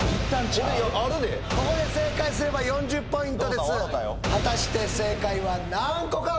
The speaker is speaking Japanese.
これあるでここで正解すれば４０ポイントです果たして正解は何個か？